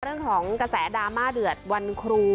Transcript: เรื่องของกระแสดราม่าเดือดวันครู